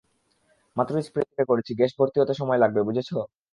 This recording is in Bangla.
মাত্রই স্প্রে করেছি, গ্যাস ভর্তি হতে সময় লাগবে, বুঝেছ?